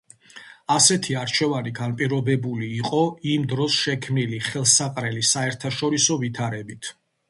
ასეთი არჩევანი განპირობებული იყო იმ დროს შექმნილი ხელსაყრელი საერთაშორისო ვითარებით.